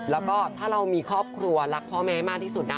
แล้วก็ถ้าเรามีครอบครัวรักพ่อแม่มากที่สุดนะ